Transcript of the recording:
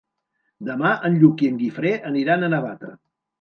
Demà en Lluc i en Guifré aniran a Navata.